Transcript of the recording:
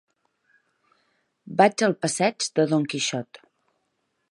Vaig al passeig de Don Quixot.